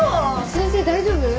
先生大丈夫？